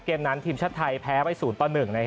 เกมนั้นทีมชาติไทยแพ้ไป๐ต่อ๑